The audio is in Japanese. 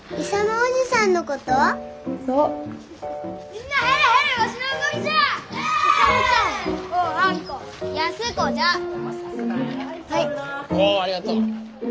おうありがとう。